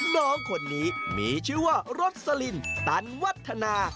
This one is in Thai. น้องคนนี้มีชื่อว่ารสลินตันวัฒนา